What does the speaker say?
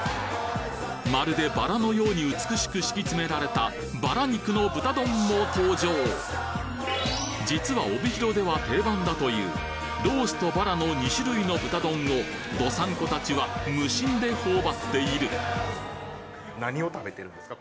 まるで薔薇のように美しく敷き詰められたバラ肉の豚丼も登場実は帯広では定番だというロースとバラの２種類の豚丼を道産子達は無心で頬張っている何を食べてるんですか？